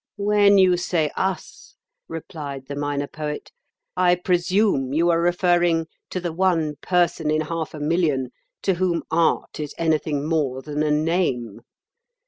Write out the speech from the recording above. "When you say 'us,'" replied the Minor Poet, "I presume you are referring to the one person in half a million to whom Art is anything more than a name.